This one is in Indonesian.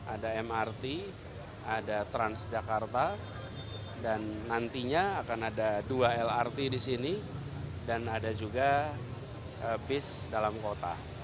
ada mrt ada transjakarta dan nantinya akan ada dua lrt di sini dan ada juga bis dalam kota